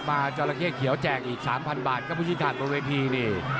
มาจราเข้เขียวแจกอีก๓๐๐๐บาทคุณผู้ชิงภาพบริเภณีนี่